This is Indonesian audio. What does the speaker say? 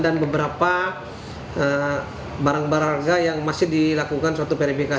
dan beberapa barang barang harga yang masih dilakukan perifikasi oleh tim penyidik